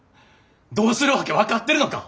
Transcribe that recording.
どうするわけ分かってるのか！